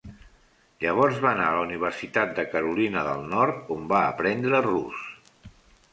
Llavors va anar a la Universitat de Carolina del Nord, on va aprendre rus.